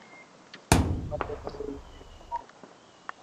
Son cazadores muy expertos.